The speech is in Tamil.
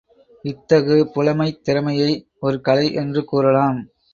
இத்தகு புலமைத் திறமையை ஒரு கலை என்று கூறலாம்.